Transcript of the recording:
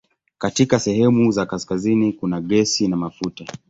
Katika sehemu za kaskazini kuna gesi na mafuta.